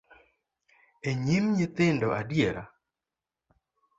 E nyim nyithindo adiera?